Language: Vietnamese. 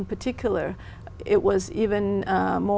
chủ tịch trung tâm